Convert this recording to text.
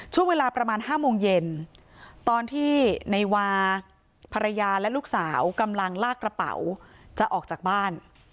ช่วงเวลาประมาณ๕โมงเย็นตอนที่ในวาภรรยาและลูกสาวกำลังลากกระเป๋าจะออกจากบ้าน